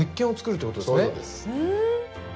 そうです。